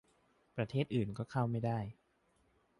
ประเทศอื่นก็เข้าไม่ได้